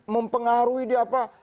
mempengaruhi dia apa